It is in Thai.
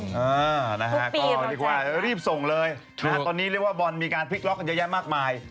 อ่านะฮะก็เรียกว่ารีบส่งเลยนะฮะตอนนี้เรียกว่าบอลมีการพลิกล็อกกันเยอะแยะมากมาย